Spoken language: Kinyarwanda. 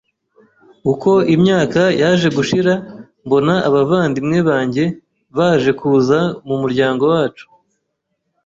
uko imyaka yaje gushira mbona abavandimwe banjye baje kuza mu muryango wacu.